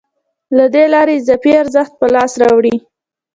له دې لارې اضافي ارزښت په لاس راوړي